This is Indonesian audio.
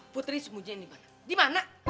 putri semuanya dimana